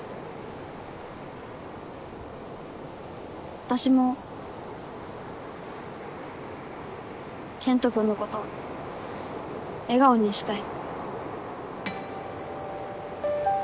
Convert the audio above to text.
私も健人君のこと笑顔にしたい。